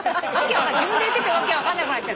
自分で言ってて訳分かんなくなっちゃった。